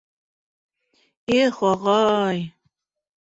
Их, ағай!